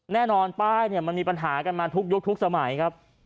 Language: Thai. แน่นอนป้ายเนี่ยมันมีปัญหากันมาทุกยุคทุกสมัยครับ